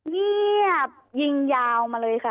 เงียบยิงยาวมาเลยค่ะ